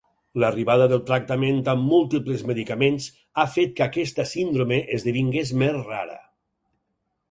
L'arribada del tractament amb múltiples medicaments ha fet que aquesta síndrome esdevingués més rara.